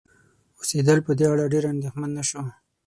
اوسیدل په دې اړه ډېر اندیښمن نشو